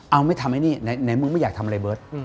เอาไม่ทำไอ้นี่ไหนมึงไม่อยากทำอะไรเบิร์ต